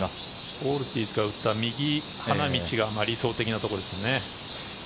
オルティーズが打った右花道が理想的なところですよね。